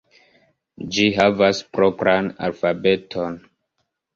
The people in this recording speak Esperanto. Ĝi havas propran alfabeton.